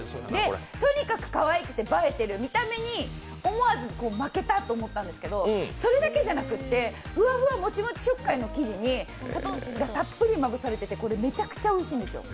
とにかくかわいくて映えてる見た目に思わず負けた！と思ったんですけど、それだけじゃなくて、ふわふわモチモチ食感の生地に砂糖がたっぷりまぶされてて、これめちゃくちゃおいしいんですよ。